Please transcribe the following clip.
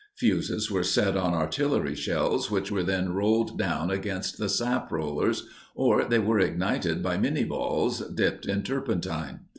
Fuses were set on artillery shells which were then rolled down against the sap rollers, or they were ignited by Minié balls dipped in turpentine.